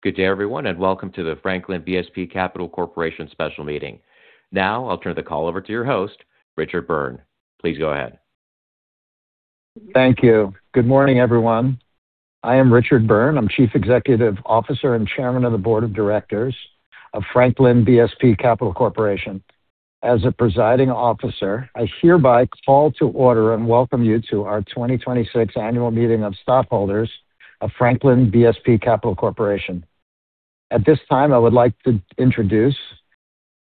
Good day everyone, welcome to the Franklin BSP Capital Corporation special meeting. Now I'll turn the call over to your host, Richard Byrne. Please go ahead. Thank you. Good morning, everyone. I am Richard Byrne. I'm Chief Executive Officer and Chairman of the Board of Directors of Franklin BSP Capital Corporation. As a presiding officer, I hereby call to order and welcome you to our 2026 annual meeting of stockholders of Franklin BSP Capital Corporation. At this time, I would like to introduce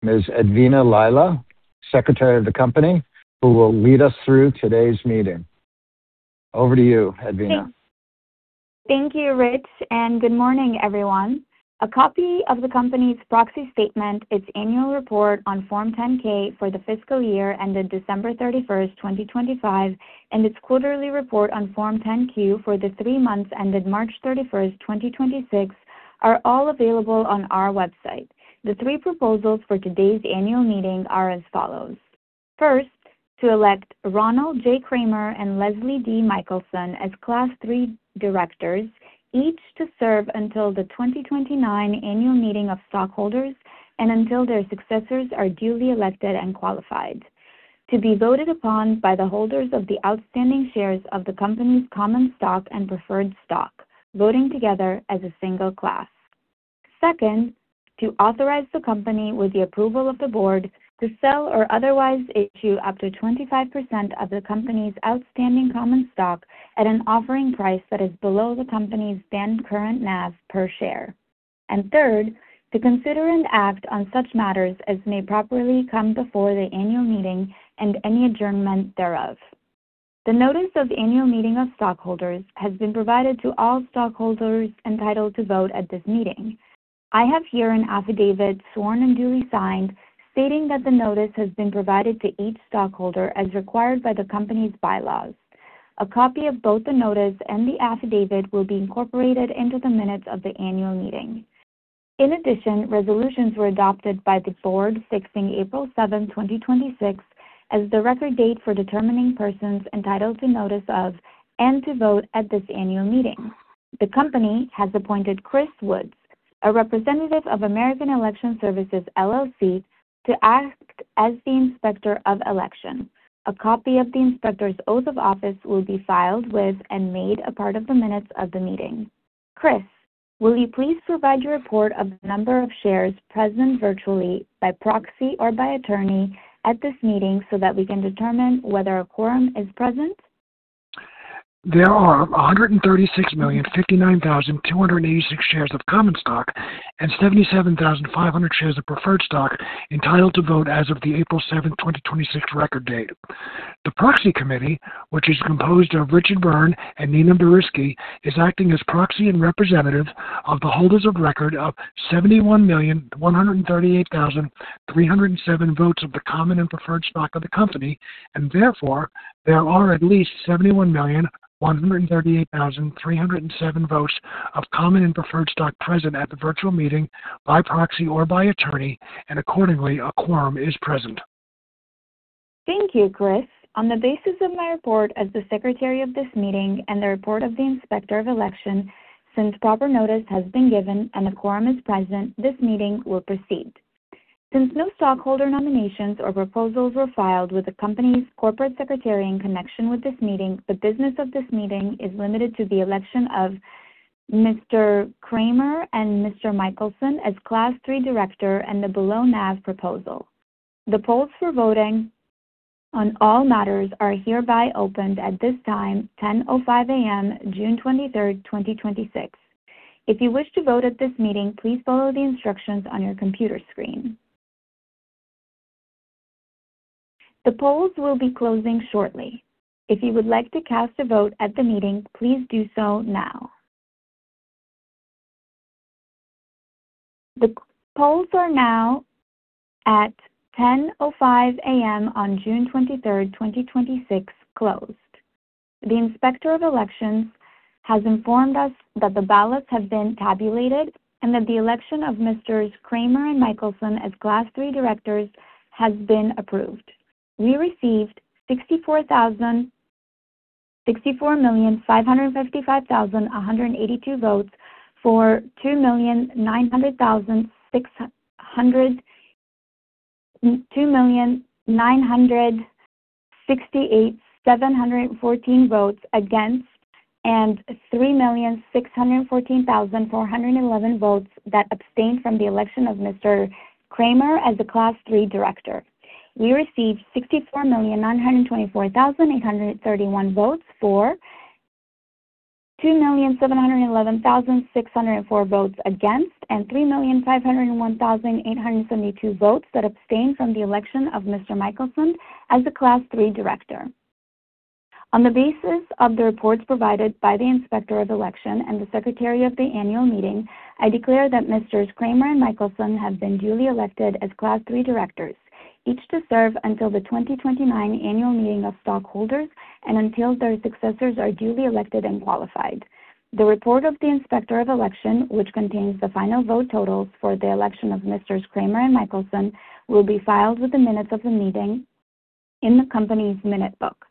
Ms. Edvina Lila, Secretary of the company, who will lead us through today's meeting. Over to you, Edvina. Thank you, Rich. Good morning, everyone. A copy of the company's proxy statement, its annual report on Form 10-K for the fiscal year ended December 31st, 2025, and its quarterly report on Form 10-Q for the three months ended March 31st, 2026, are all available on our website. The three proposals for today's annual meeting are as follows. First, to elect Ronald J. Kramer and Leslie D. Michelson as Class III directors, each to serve until the 2029 annual meeting of stockholders and until their successors are duly elected and qualified, to be voted upon by the holders of the outstanding shares of the company's common stock and preferred stock, voting together as a single class. Second, to authorize the company, with the approval of the board, to sell or otherwise issue up to 25% of the company's outstanding common stock at an offering price that is below the company's then current NAV per share. Third, to consider and act on such matters as may properly come before the annual meeting and any adjournment thereof. The notice of annual meeting of stockholders has been provided to all stockholders entitled to vote at this meeting. I have here an affidavit, sworn and duly signed, stating that the notice has been provided to each stockholder as required by the company's bylaws. A copy of both the notice and the affidavit will be incorporated into the minutes of the annual meeting. Resolutions were adopted by the board fixing April 7th, 2026, as the record date for determining persons entitled to notice of, and to vote at this annual meeting. The company has appointed Chris Woods, a representative of American Election Services, LLC to act as the Inspector of Election. A copy of the inspector's oath of office will be filed with and made a part of the minutes of the meeting. Chris, will you please provide your report of the number of shares present virtually by proxy or by attorney at this meeting so that we can determine whether a quorum is present? There are 136,059,286 shares of common stock and 77,500 shares of preferred stock entitled to vote as of the April 7, 2026, record date. The Proxy Committee, which is composed of Richard Byrne and Nina Baryski, is acting as proxy and representative of the holders of record of 71,138,307 votes of the common and preferred stock of the company, and therefore, there are at least 71,138,307 votes of common and preferred stock present at the virtual meeting by proxy or by attorney, and accordingly, a quorum is present. Thank you, Chris. On the basis of my report as the secretary of this meeting and the report of the Inspector of Election, since proper notice has been given and a quorum is present, this meeting will proceed. Since no stockholder nominations or proposals were filed with the company's corporate secretary in connection with this meeting, the business of this meeting is limited to the election of Mr. Kramer and Mr. Michelson as Class III director and the below NAV proposal. The polls for voting on all matters are hereby opened at this time, 10:05 A.M., June 23rd, 2026. If you wish to vote at this meeting, please follow the instructions on your computer screen. The polls will be closing shortly. If you would like to cast a vote at the meeting, please do so now. The polls are now, at 10:05 A.M. on June 23rd, 2026, closed. The Inspector of Elections has informed us that the ballots have been tabulated and that the election of Messrs. Kramer and Michelson as Class III directors has been approved. We received 64,555,182 votes for, 2,968,714 votes against, and 3,614,411 votes that abstained from the election of Mr. Kramer as the Class III director. We received 64,924,831 votes for, 2,711,604 votes against, and 3,501,872 votes that abstained from the election of Mr. Michelson as the Class III director. On the basis of the reports provided by the Inspector of Election and the secretary of the annual meeting, I declare that Mr. Kramer and Michelson have been duly elected as Class III directors, each to serve until the 2029 annual meeting of stockholders and until their successors are duly elected and qualified. The report of the Inspector of Election, which contains the final vote totals for the election of Mr. Kramer and Michelson, will be filed with the minutes of the meeting in the company's minute book.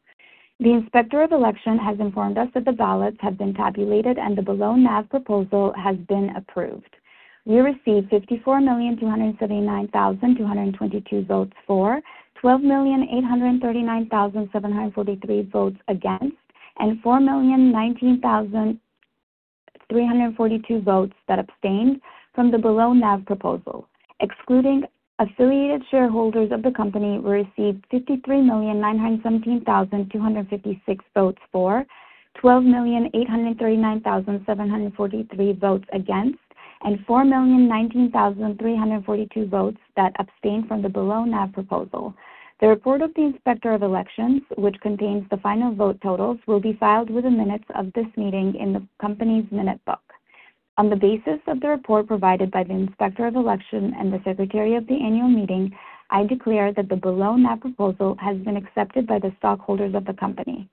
The Inspector of Election has informed us that the ballots have been tabulated and the below NAV proposal has been approved. We received 54,279,222 votes for, 12,839,743 votes against, and 4,019,342 votes that abstained from the below NAV proposal. Excluding affiliated shareholders of the company, we received 53,917,256 votes for, 12,839,743 votes against, and 4,019,342 votes that abstained from the below NAV proposal. The report of the Inspector of Elections, which contains the final vote totals, will be filed with the minutes of this meeting in the company's minute book. On the basis of the report provided by the Inspector of Election and the secretary of the annual meeting, I declare that the below NAV proposal has been accepted by the stockholders of the company.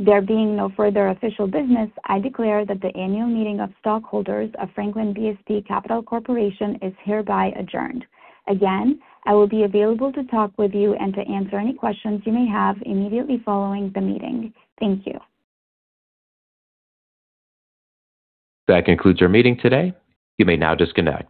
There being no further official business, I declare that the annual meeting of stockholders of Franklin BSP Capital Corporation is hereby adjourned. Again, I will be available to talk with you and to answer any questions you may have immediately following the meeting. Thank you. That concludes our meeting today. You may now disconnect.